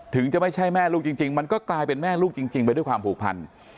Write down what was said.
จะไม่ใช่แม่ลูกจริงมันก็กลายเป็นแม่ลูกจริงไปด้วยความผูกพัน